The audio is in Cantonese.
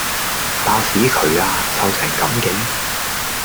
爆屎渠呀！臭成咁嘅